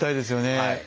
はい。